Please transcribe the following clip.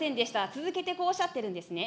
続けてこうおっしゃってるんですね。